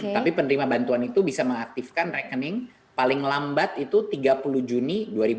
tapi penerima bantuan itu bisa mengaktifkan rekening paling lambat itu tiga puluh juni dua ribu dua puluh